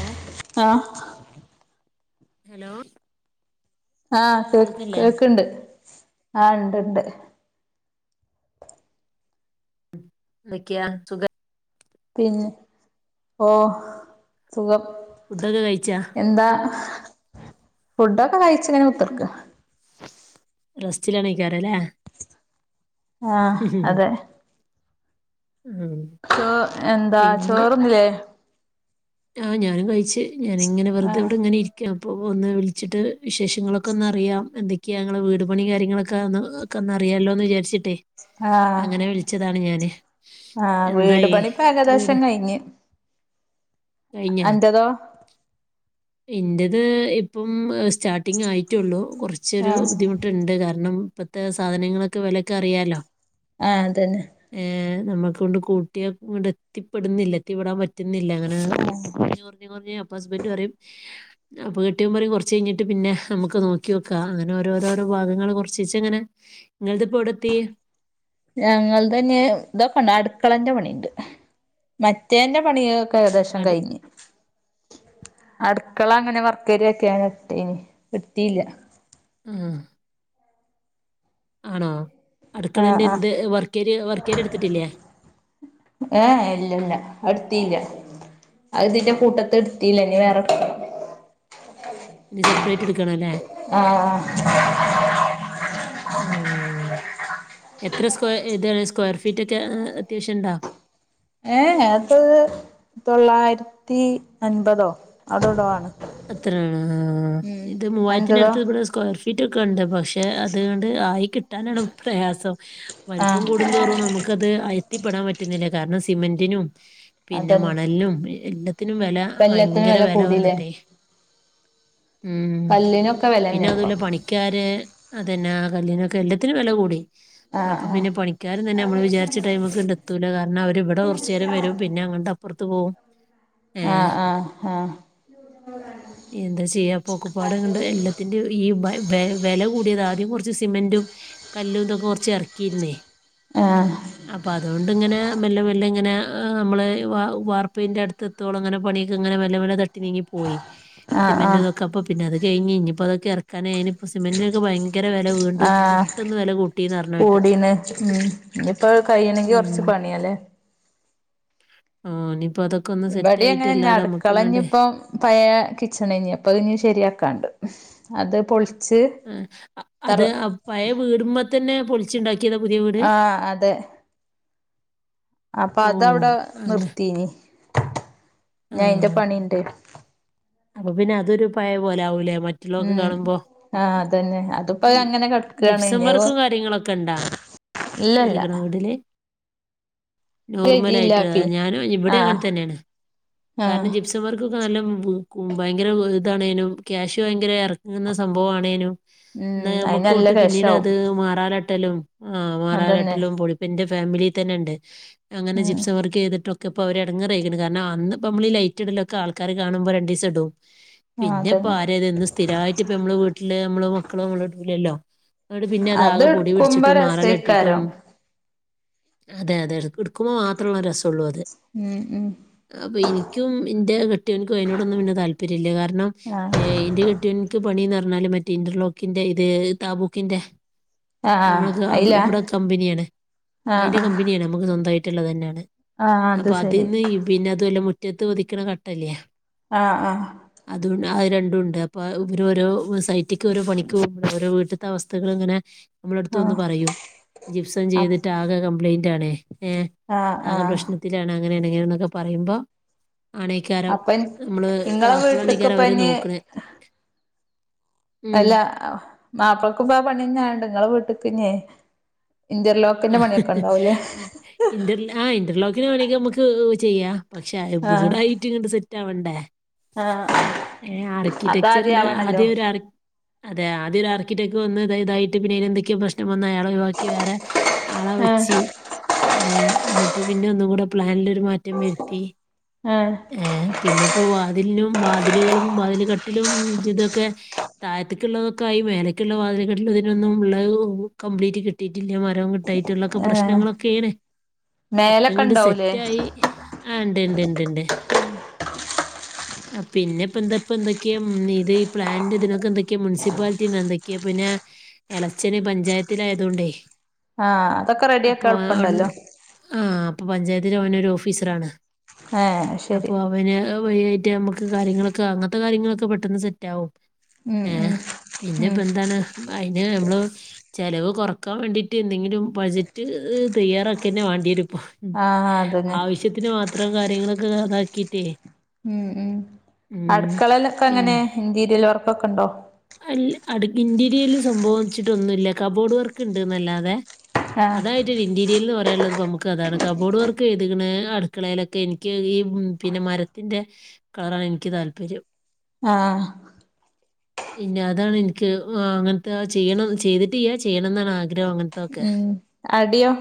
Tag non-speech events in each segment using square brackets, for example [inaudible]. ഓ ആഹ് ഹലോ ആഹ് കേ കേൾക്കില്ലേ കേക്കണ്ട് ആ ഉണ്ട് ഇണ്ട് ന്തൊക്കെയാ സുഖ പിന്നെ ഓ സുഖം ഫുഡൊക്കെ കഴിച്ചാ എന്താ ഫുഡൊക്കെ കഴിച്ച ഇങ്ങനെ കുത്തിർക്ക് റെസ്റ്റിലാണിക്കാറല്ലേ ആഹ അതെ ഉം ചോ എന്താ ചോറന്നില്ലേ ആഹ് ഞാനും കഴിച്ചച്ച് ഞാനിങ്ങനെ വെറുതെ ആഹ് എവിടെ ഇങ്ങനെ ഇരിക്കാം അപ്പോൾ ഒന്ന് വിളിച്ചിട്ട് വിശേഷങ്ങളൊക്കെ ഒന്ന് അറിയാം എന്തൊക്ക ക്ക ഞങ്ങള് വീട് പണ കാര്യങ്ങളൊക്കെ ഒക്കെന്ന അറാമോന്ന് വിചാരിച്ചിട്ടേ ആഹ അങ്ങനെ വിളിച്ചതാണ് ഞാന് ആഹ വീട് എന്തായി പണിപ്പൊ ഏകദേശം വീട് കഴിഞ്ഞ് എന്തേതോ ഇന്റേത് ഇപ്പം സ്റ്റാർട്ടിങ് ആയിട്ടുള്ളു കുറച്ചൊരു ആഹ് ബുദ്ധിമുട്ടുണ്ട് കാരണം ഇപ്പഴത്തെ സാധനങ്ങളൊക്കെ വെലക്കെ അറിയാലോ ആ അതന്നെ നമ്മുക്ക് കൊണ്ട് കൂട്ട്യാ ഇങ്കട് എത്തിപ്പെടുന്നില്ല എത്തിപ്പെടാൻ പറ്റ- ഇന്നില്ല അങ്ങനെ കുറഞ്ഞ് കുറഞ്ഞ് കുറഞ്ഞ് അപ്പ ഹസ്ബൻ്റ് പറയും അപ്പൊ കെട്ടിയോൻ പറയും കൊറച്ച് കഴിഞ്ഞിട്ട് പിന്നെ നമുക്ക് നോക്ക്യോക്ക അങ്ങനെ ഓരോ ഓരോരോ ഭാഗങ്ങള് കുറച്ചിച്ചെ ഇങ്ങനെ നിങ്ങൾടത് ഇപ്പ എവിടെത്തി ഞങ്ങൾ തന്നെ ഇതൊക്കെണ്ട് അടുക്കളന്റെ പണിയുണ്ട് മറ്റേന്റെ പണി- ഏകദേശം അട് കഴിഞ്ഞു അടുക്കള അങ്ങനെ വർക്കേരിയ ആക്കി അവിടട്ടീനിം ഇടിത്തില്ല ആ ആണോ ആഹ് അടുക്കളൻ്റെ ആഹ് എന്ത് വർക്കേരിയ വർക്കേരിയ എടുത്തിട്ടില്ലേ ത്തില്ല അത് ഇതിൻ്റെ കൂട്ടത്ത് കട്ടീലന്ന വേറെക്ക [inaudible] ഡിസം- പ്ലേറ്റ്എടുക്കണല്ലേ അ ആ ഉം. എത്ര സ്ക്വയർ സ്ക്വയർ ഫീറ്റ് ഒക്കെ അത്യാവശ്യം ഉണ്ടോ ഏ അത് തൊള്ളായിരത്തി അൻപതോ അതോടാണ് അത്രാണ് ആ ഇത് അൻപതോ മൂവായിരത്തിനടുത്ത് ഇവിടെ സ്ക്വയർ ഫീറ്റ് ഒക്കെ ഉണ്ട് പക്ഷെ അതുകൊണ്ട് ആയി കിട്ടാനാണ് പ്രയാസം വലിപ്പം ആഹ് കൂടും തോറും നമുക്കത് ആയി എത്തിപ്പെടാൻ പറ്റുന്നില്ല കാരണം സിമെന്റിനും പിന്നെ അതന്നെ മണലിനും എല്ലാ- ത്തിനും വെല ഇപ്പ എല്ലാത്തിനും ഭയങ്കര വില വെല കൂടില്ലേ വന്നിട്ടേ ഉം കല്ലിനൊക്കെ പിന്നെ വിലന്നെ ഇപ്പൊ അതുല്ല പണിക്കാര് അതന്നെ ആ കല്ലിനൊക്കെ എല്ലാത്തിനും വില കൂടി അപ്പൊ ആഹ് പിന്നെ പണിക്കാരും തന്നെ നമ്മള് വിചാരിച്ച ടൈമിക്ക ഇങ്ങട് എത്തൂല കാരണം അവരിവിടെ കുറച്ചു നേരം വരും പിന്നെ അങ്ങണ്ട് അപ്പുറത്ത് പോവും ഏ ആഹ് ആഹ് ആഹ് എന്താ ചെയ്യാ ഇപ്പൊ ഒക്കപ്പാടങ്ങ്ട് എല്ലാത്തിന്റെ ഈ വെ വില കൂടിയത് ആദ്യം കൊറച്ച് സിമെന്റും കല്ലും ഇതൊക്കെ കൊറച്ച് എറക്കിയിരുന്നേ ആഹ് ആഹ് അപ്പൊ അതുകൊണ്ടിങ്ങനെ മെല്ലെ മെല്ലെ ഇങ്ങനെ നമ്മള് വാർപ്പിൻ്റെ അടുത്തെത്തോളം അങ്ങനെ പണിയൊക്കെ ഇങ്ങനെ മെല്ലെ മെല്ലെ തട്ടി നീങ്ങി പോയി ആഹ് സിമെന്റ് ആഹ് നോക്കാപ്പ പിന്നെ അത് കഴിഞ്ഞ് ഇനിപ്പോ അതൊക്കെ ഇറക്കാനായിന് ആ പെട്ടെന്ന് വില കൂട്ടിന്ന് പറഞ്ഞിട്ട് കൂടീന് ഉ ഇനിയിപ്പൊ കൈയ്യണെങ്കി കുറച്ച് പണ്യാല്ലേ ആണ് ഇവിടി എങ്ങനെ അടുക്കളഞ്ഞി ഇപ്പം പയ [unintelligible] അപ്പോൾ ഇ ശരിയാക്കാണ്ട് അത് പൊളി ആ അത് പഴ വീടുമ്പോ തന്നെ പൊളിച്ചുണ്ടാ ആ അതെ അപ്പൊ ഓ അതവിടെ അങ്ങ നിർത്തീനി ഞ അതിന്റെ ആ പണിണ്ട് അപ്പൊ പിന്നെ അതൊരു പയ പോല ആവൂലേ മറ്റുള്ളതൊക്കെ ഉം കാണുമ്പോ ആ അതന്നെ അതിപ്പോ ഉം അങ്ങനെ കടക്കയാണ് ജിപ്സം ഇഞ്ഞോ വർക്കും കാര്യങ്ങളൊക്കെ ഇണ്ടാ ഇല്ലല്ല നോർമൽ എഴുതിയില്ല ആയിട്ട് പി ഞാൻ ഇവിടെ അങ്ങനെ ആഹ് തന്നെയാണ് കാരണം ആഹ് ജിപ്സമാർക്ക് കാലം മുമ്പ് ഉ ഭയങ്കര ഇതാണേനും ക്യാഷ് ഭയങ്കര ഇറക്കുന്ന സംഭവ ആണേനും ഉം എന്നാ അയിന് നമ്മക്ക് നല്ല തൊട്ട് പിന്നീട് ക്യാഷാവും അത് മാറാല ത്തലും ആ അതന്നെ മാറാലാട്ടല്ലും പൊടിപ്പ് എന്റെ ഫാമിലി തന്നെ ഉണ്ട് അങ്ങനെ ഉം ജിപ്സം വർക്ക് ചെയ്തിട്ടൊക്കെ ഇപ്പോ അവര് ഇടങ്ങേറായിരിക്കണ് കാരണം അന്ന് ഇപ്പോ നമ്മളൊക്കെ ലൈറ്റിടല് ആൾക്കാര് കാണുമ്പോ രണ്ട്സം തിടും ആഹ് പിന്നെ ഇപ്പ അതന്നെ ആരതന്ന് സ്ഥിരമായിട്ട് ഇപ്പ നമ്മള് വീട്ടില് നമ്മള് മക്കളും നമ്മളുടെ അടുത്തില്ലല്ലോ ഇന്നിട്ട് അത് പിന്നതാകെ പൊടി എടുക്കുമ്പോ പിടിച്ചിട്ടും മാറലട്ടിട്ടും രസേക്കാരം അതെ അതെ ഇട് ഇട്ക്കുമ്പോ മാത്ര ള്ളത് രസ് ഉള്ളൂ അത്. ഉം ഉം അപ്പോ ഇനി ക്കും ഇൻ്റെ കെ ട്ട്യോൻക്കും അയിനോടൊന്നും പിന്നെ താൽപ്പര്യല്ല്യ കാരണം ആഹ് എ ഇന്റെ കെട്യോൻക്ക് പണീന്ന് പറഞ്ഞാല് മറ്റേ ഇന്റർലോക്കിന്റെ ഇത് താബൂക്കിന്റെ ആഹ് ആഹ് നമ്മൾക്ക് അവ് അയിലാ ഇവിടെ കമ്പനിയാണ് ആഹ് അതിന്റെ ആഹ് കമ്പനിയാണ്. നമ്മക്ക് സ്വന്തായി ട്ട്ള്ളതെന്നേണ് ആഹ് അത് അപ്പൊ ശരി അതീന്ന് പിന്നെ അതൊല്ല മുറ്റത്ത് പതിക്ക്ണ ക ട്ടല്യേ ആ ആ അഅ് രണ്ടുംണ്ട് അപ്പൊ ഇവര് ഓരോ സൈറ്റിക്ക് ഓരോ പണിക്ക് പോവുമ്പൊ ഓരോ വീട്ട്ത്തെ അവസ്ഥകള് ഇങ്ങനെ നമ്മളടുത്ത് വന്ന് ആഹ് പറയും ജിപ്സൻ അപ് ചെയ്തിട്ട് ആകെ കംപ്ലയിൻ റ്റാണേ ഏ ആഹ് ആകെ ആഹ് പ്രശ്നത്തിലാണ് മെനഞ്ഞാന്ന് ഒക്കെ പറയുമ്പോ വാടേക്കാരോ നമ്മള് നിങ്ങളെ വീട്ടക്ക് അപ്പോഴാണേക്കാരം ഇപ്പ അവര് ഇനി നോക്കണേ ഉം അല്ല ബാപ്പക്കും ഇപ്പ പണി ഞാ നിങ്ങള് വീട്ട- പിന്നെ ആ ആ ഇന്ർ ഇന്റർലോക്കിന്റയ് പണി ഒക്കെ നമ്മക്ക് - ക്ക് ചെയ്യാം പക്ഷെ ആഹ് വീടായിട്ട് ഇങ്ങ സെ- ഇറ്റ വണ്ടേ ആഹ് [unintelligible] ഏ അതാദ്യം ആർക്കിടെക്ചറിന് ആവണല്ലോ ആദ്യം ഒരു ആ- അതെ ആദ്യം ഒരു ആർക്കിടെക് വന്ന്ത ഇതായിട്ട് പിന്നെ എന്തൊക്കെയോ പ്രശ്നം വന്ന അയാളെ ഒഴിവാക്കി വേറെ- ആളെ ആഹ് വെച്ച് ഏ എന്നിട്ട് പിന്നെ ഒന്നും കൂടെ പ്ലാനിലൊ ഒരു മാറ്റം വരുത്തി ആഹ് ഏ പിന്നെ ഇപ്പൊ വാതിലിനും വാതിലുകളും വാതിൽ കട്ടിലും ഇ ഇതൊക്കെ താഴത്തേക്കുള്ളതൊക്കെ ആയി മേലക്കുള്ള വാതിൽ കട്ടിലും ഇതിനൊന്നും ഉള്ള കംപ്ലീറ്റ് കിട്ടിയിട്ടില്ല മരവും കിട്ടായിട്ടുള്ളൊക്കെ ആഹ് പ്രശ്നങ്ങളൊക്കെയാണ് ഒക്കെ മേലൊക്കെ ഇങ്ങട്ട് ഇണ്ടാവൂലേ സെറ്റ് ആയി ആ ഉണ്ട് ഉണ്ട് ഇണ്ട് ഉണ്ട് ആ പിന്നെ ഇപ്പ എന്താപ്പ എന്തൊക്കെയ ഇത് ഈ പ്ലാന്റ് ഇതിനൊക്കെ എന്തൊക്കെയാ മുൻസിപ്പാലിറ്റിന്ന് എന്തൊക്കെയാ പിന്നെ ഇളച്ചന് പഞ്ചായത്തിലായതുകൊണ്ടേ ആഹ് അതൊക്കെ റെഡി ആക്കി എളപ്പുണ്ടല്ലോ ഇപ്പൊ പഞ്ചായത്തിഓന ഒരു ഓഫീസർണ് ഏഹ് അപ്പൊ ശരി അവന് മറ്റെ നമ്മുക്ക് കാര്യങ്ങളൊക്കെ അങ്ങനത്തെ കാര്യങ്ങളൊക്കെ പെട്ടെന്ന് സെറ്റാകും ഉം ഏ ഉം പിന്നെ ഉം ഇപ്പൊ എന്താണ് അതിന് നമ്മൾ ചെലവ് കുറക്കാൻ വേണ്ടിയിട്ട് എന്തെങ്കിലും ബഡ്ജറ്റ് തയ്യാറൊക്കെ തന്നെ വേണ്ടി വരും ആഹ് അതന്നെ ആവശ്യത്തിന് മാത്രം കാര്യങ്ങളൊക്കെതാക്കിട്ടേ ഉം ഉ അടുക്കളയിലൊക്കെ അങ്ങനെ ഇൻന്റീരിയൽ വർ ഒക്കെ ഉണ്ടോ അ ഇ ഇന്റീരിയറിൽ സംഭവം വെച്ചിട്ടൊന്നുമല്ല കബ്ബോർഡ് വർക്ക് ഉണ്ട്ന്നല്ലാതെ ആഹ് അതായിത് ഇന്റീരിയൽന്ന് പറ ുള്ളത് നമുക്ക് അതാണ് കാർബ്ബോർഡ് വർക്ക് എഴുതി അടുക്കളയിലൊക്കെ എനിക്ക് ഈ പിന്നെ മരത്തിന്റെ കളറാണ് എനിക്ക് താല്പര്യം ആഹ് പിന്നെ അതാണ്ൻക്ക് ങ് അങ്ങൻത്തെ ചെയ്യണം ചെയ്തിട്ടില്ല ചെയ്യണന്നാണ് ആഗ്രഹം അങ്ങത്തൊക്കെ ഉം അടിയോ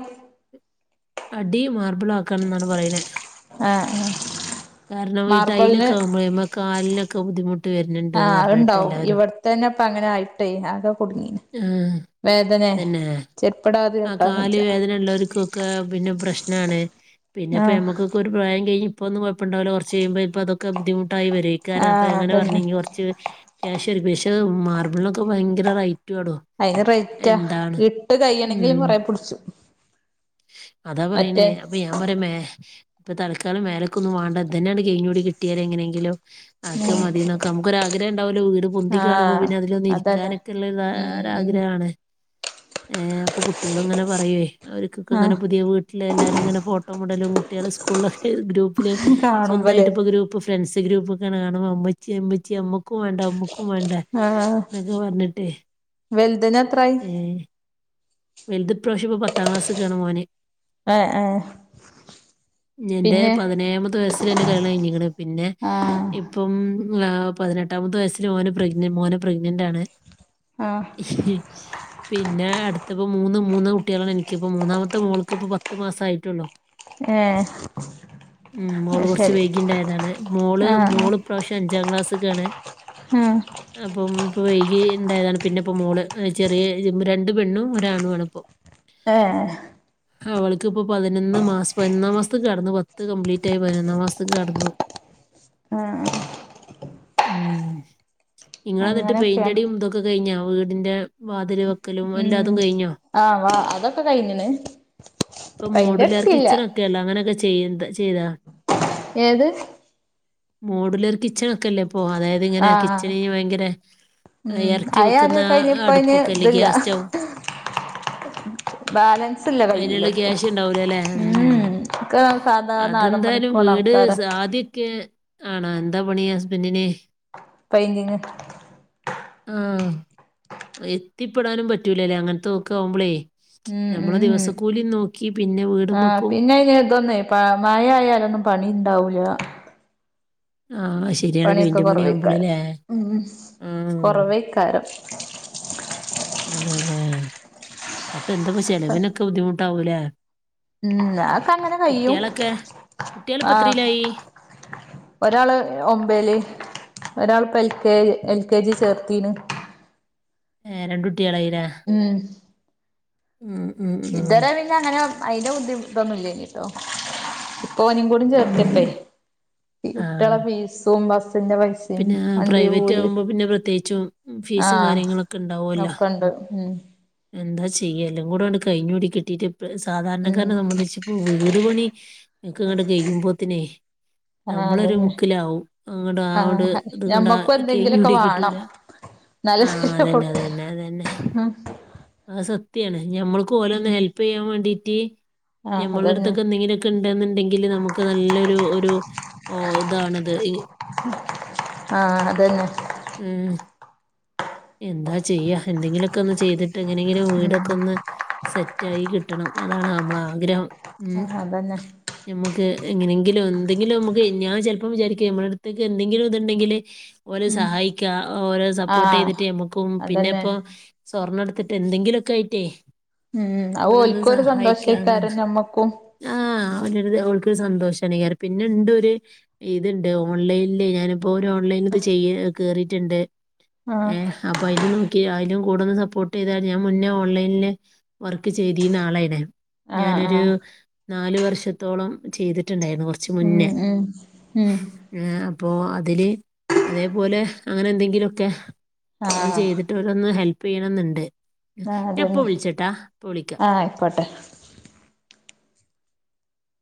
അടി മാർബിളാക്കാണ്ന്നാണ് പറയണെ ആഹ് ആഹ് കാരണം മാർബിളിന് ഈടൈലോക്കാവുമ്പോയെ മ്മളെകാലിനൊ ക്കെബുദ്ധിമു ട്ട് വരുന്ണ്ട്ന്ന് പറഞ്ഞിട്ട്ല്ലാരും തന്നെപ്പൊ അങ്ങനെ ആയിട്ടേ ആകെ കുടുങ്ങീന് ആഹ് വേദനെ തെന്നെ ചെരുപ്പിടാതെ ആ ചവിട്ടാൻ വെജ്ജ കാൽവേദന ഇള്ളോൽക്കൊക്കെ പിന്നെ പ്രശ്നാണ് പിന്നെപ്പം ആഹ് ഞമ്മക്കൊക്കെ ഒരു പ്രായം കഴിഞ്ഞ് ഇപ്പൊന്നും കൊഴപ്പണ്ടാവൂലാ കൊർച്ചെയ്യിമ്പോ ചെൽപ്പം അതൊക്കെ ബുദ്ധിമു വരുആയിക്കാരം ആഹ് ഞാനപ്പങ്ങനെ അതന്നെ പറഞ്ഞു കുറച്ചു ക്യാഷ് ചെറ [unintelligible] പഷേ മാർബിളിനൊക്കെ ഭയങ്കര റൈ [unintelligible] അയിന് റേറ്റാ എന്താണ് ഇട്ട് ഉം കയ്യണെങ്കിലും കൊറേ പിടിച്ചും അതാ പറിയിണെ മറ്റേ അപ്പ യാൻ പറിയാ മേ ഇപ്പ തൽക്കാലം മേലെക്കൊന്നും വാണ്ട ഇതെന്നെയാണ്ട് കൈഞ്ഞൂടി കിട്ടിയാൽ എങ്ങെനെങ്കിലും ആക്കൊ ആഹ് മതിന്നൊക്കെ മ്മ്ക്ക് ഒരുരാഗ്രഹം ഉണ്ടാവല്ലോ വീട്ഒ പൊന്തി കാണുമ്പോ ആഹ് പിന്നെ അതിലൊന്ന അതന്നെ ഇരിക്കാനൊക്കെുള്ളള്ള ഉം [unintelligible] ഉം ആഗ്രഹാണ് ഏ അപ്പൊ കുട്ടികളങ്ങനെ പറയേ [unintelligible] ഓര്ക്ക് ഒക്കെ ഇങ്ങെനെ ആഹ് പുതെ വീട്ട്ൽ എല്ലാരും ഇങ്ങെനെ ഫോട്ടം വുടെലും കുട്ടെൾ സ്കൂൾലൊ ഹ [unintelligible] ഗ്രുപ്പ പ്പ്ൽ കാണുമ്പല്ലേ സ്വന്തായിട്ട് ഇപ്പം ഗ്രൂപ്പ് ഫ്രണ്ട്സ് ഇത് ഗ്രൂപ്പ് ഇങ്ങെനെ കാണുമ്പോ ഇമ്മെച്ചിയെ ഇമ്മെച്ചിയെ അമ്മെക്കും വേണ്ടെ അമ്മ ക്കും ആഹ് വേണ്ടെന്നൊക്കെ പറഞ്ഞിട്ട വലുതിന് എത്രായി വലുത്പ്രാവിശ്യം ഇപ്പോ പത്താം ക്ലാസ് ക്കാണ് മോന് ആ ആ പിന്നെ പിന്നെ ഇന്റെ കല്യാണം കഴിഞ്ഞ്ക്ക്ണ് പിന്നെ ആഹ് ഇപ്പം ആ പതിനെട്ടാമത്തെ വയസ്സിൽ ഓനെ പ്രഗ്നറ് മോന പ്രഗ്നന്റ് ആണ് ആഹ് പിന്നെ അട് ഇപ്പോ മൂന്ന് മൂന്ന് കുട്ടികളാണ് എനിക്കിപ്പോ മൂന്നാമത്തെ മോൾക്ക് ഇപ്പൊ പത്തുമാസയിട്ടുള്ളു ഏഹ് ഉം മോൾ അത് കൊർച്ച് ശരി വൈകി ഇണ്ടായതാണ് മോൾ ആഹ് മോൾ ഇപ്രാവെശ്യം അ ഞ്ചാം ക്ലാസ്സ്‌ക്കാണ് ആഹ് ഉം അപ്പം ഇപ്പോൾ വൈകി ഉണ്ടായതാണ് പിന്നെ ഇപ്പോൾ മോള് ചെറിയ രണ്ട് പെണ്ണും ഒരാണു ആണ്പ്പോ ഏഹ് അവൾക്ക്പ്പൊ പതിനൊന്ന് മാസം പതിനൊന്നാം മാസത്ത് കടന്നു പത്ത് കംപ്ലീറ്റ് ആയി പതിനൊന്നാം മാസത്ത്ക്ക് കടന്നു. ആഹ് ഉം ഇങ്ങളെ ഇന്നിട്ട് അങ്ങനെയൊക്കെയാണ് പെയിന്റടിം ഇതൊക്കെ കയ്ഞ്ഞോ? വീടിന്റെ വാതില് വെക്കലും എല്ലാ ആ വാ അതൊക്കെ കയ്ഞ്ഞ്ണ് ഇപ്പൊ മോഡുലാർ കിച്ചണ് ഒക്കെയല്ലേ അങ്ങനൊക്കെ ചെ ചെയ്യ്ന്ത് ചെയ്താ ഏത് മോഡുലർ കിച്ചണൊക്കെല്ലേ ഇപ്പോ അതായത് ഇങ്ങനെ ആഹ് കിച്ചണീ വയങ്കര ഉം എറക്കി അയ അത് വെക്കുന്ന കഴിഞ്ഞ് ഇപ്പ അയിന് അടുപ്പൊക്കെ അല്ലേ ഇതില്ല ഗ്യാസ് സ്റ്റവ് ബാലൻസ് ഇല്ല കയ്യില് അയിനുള്ള എത്തും ക്യാഷ് ഉണ്ടാവൂലല്ലേ? ഉം. ഉപ ഒക്കെ സാദാ നാടൻ അതെന്തായാലും ണിക്കോണ ആൾക്കാരാ ആണാ എന്താ പണി ഹസ്ബെൻ്റിന് പയതി ആഹ് എത്തിപ്പെടാനും പറ്റൂലല്ലേ അങ്ങനത്തെ ഒക്കെ ആവുമ്പളേ ഞമ്മളെ ദിവസക്കൂലിം നോക്കി പിന്നെ വീടും ആഹ് വെക്കും. പിന്നെ അയ്ന് ഇതൊന്നേ മയ ആയാലൊന്നും പണിം ഇണ്ടാവൂലാ ആഹ ശരിയാണ് പ പണിയൊക്കെ എന്റ മണി കുറവേക്കാരം ആവുമ്പോളല്ലേ ഉം ആ കുറവേക്കാരം [unintelligible] [unintelligible] ഇപ്പ എന്താപ്പോ ചെലവിനൊക്കെ ബുദ്ധിമു ട്ടാവൂലേ ഉം അക്ക അങ്ങനെ കയും കുട്ട്യാളിപ്പോ ആഹ എത്രയിലായി? ഒരാള് ഒമ്പേല് ഒരാളിപ്പ L K L K G ചേർത്തീ ഏ രണ്ടു ട്ട്യേളായി ലേ? ഇതരമന്നങ്ങനെ അയിന്റെ ബുദ്ധിമുട്ടൊന്നും ഇല്ലല് കോനും കൂടും ഉം. ചേർത്തിപ്പേ കട്ടള ആഹ്. പീസും ബസ് പിന്നെ പ്രൈവറ്റ് ആകുമ്പോൾ പിന്നെ പ്രത്യേകിച്ചും ഫീസും ആഹ് കാര്യങ്ങളൊക്കെ ഉണ്ടാവുമല്ലോ ഒക്കെണ്ട് ഉം എന്താ ചെയ്യ എല്ലാം കൂടെണ് കഴിഞ്ഞൂടി കിട്ടിട്ട് ഉം സാധാരണക്കാരനെ സംബന്ധിച്ചിപ്പോ വീട് പണിക്ക ഇങ്ങോട്ട കഴിയുമ്പോത്തിനെ ആഹ് നമ്മളൊരു അതന്നെ മുക്കിലാവും അങ്ങോട്ട അോണ്ട് ആഹ് ഇതങ്ങ ഞമ്മക്കും കഴഞ്ഞ കട കിട്ടൂല നല്ല ആ ശരി പോട്ട ഉം ആ സത്യയാണ് ഞമ്മൾക്ക് ഓലെ ഉം ഒന്ന് ഹെൽപ്പ് ചെയാൻ വേണ്ടി ത്തി ആഹ് ഞമ്മള് അതന്നെ അടുത്തൊക്കെ എന്തെങ്കിലുക്കെ ഉണ്ടെന്നുണ്ടെങ്കില് നമുക്ക് നല്ലൊരു ഒരു ഒ ഇതാണിത് ആഹ് അത് തന്നെ ഉം എന്താ ചെയ്യാ എന്തെങ്കിലൊ ക്ക്‌ ഒന്ന് ചെയ്ത എങ്ങനെയെങ്കിലും വീടൊക്കെ ഉം ഒന്ന് സെ റ്റായി കിട്ടണം അതാണ് നമ്മൾടെ ആഗ്രഹം ഉം ആഹ് അതന്നെ നമുക്ക് എങ്ങനെങ്കിലും എന്തെങ്കിലും നമുക്ക് ഞാൻ ചെലപ്പോം വിചാരിക്കും മ്മുടെ അടുത്തേക്ക് എന്തെങ്കിലും ഇതുണ്ടെങ്കില് ഓരെ ഉം സഹായിക്കാം ഓരെ സപ്പോർട്ട് ആഹ് ചെയ്ത് ട്ടും നമുക്കും പിന്നെ അതന്നെ ഇപ്പൊ സ്വർണ്ണ എടുത്തിട്ട് എന്തെങ്കിലുംഒക്കെ ആയിട്ടേ ഉം ഓലൊന്ന് ഓൽക്കൊരു സഹായിക്കാന്ന് സന്തോഷൈക്കാര്യം ഞമ്മക്കും അരു അവൾക്കൊരു സന്തോഷാണ് പിന്നെ ഇണ്ട് ഒരു ഇത്ണ്ട് ഓൺലൈനില് ഞാനിപ്പോ ഒരു ഓൺലൈനിൽ ഇത് ചെയ്യ കേറിയിട്ടുണ്ട് ആഹ് ഉം അപ്പോ അതിൽ നോക്കി യാലും കൂടെന്ന് സപ്പോർട്ട് ചെയ്താൽ ഞാൻ മുന്നേ ഓൺലൈനില് വർക്ക് ചെയ്തിനാളേനി ആഹ് ഞാനൊരു ആഹ് നാല് വർഷത്തോളം ചെയ്തിട്ടുണ്ടായിരുന്നു കുറച്ച് ഉം മുന്നേ ഉം ഉം ഉം അപ്പോ അതില് അതേപോലെ അങ്ങനെ എന്തെങ്കിലും ഒക്കെ ആഹ് ട്ട് ഓരൊന്ന് ഹെൽപയ്യണംന്നുണ്ട് ആഹ് അത് തന്നെ വിളിക്കാം ആഹ് ആയിക്കോട്ടെ